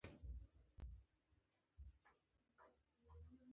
کارونه به یې سم مخته نه تلل.